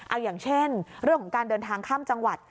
เอาอย่างเช่นเรื่องของการเดินทางข้ามจังหวัด